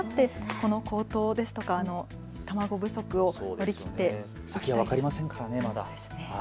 この高騰ですとか卵不足を乗り切って先、分かりませんからね、まだ。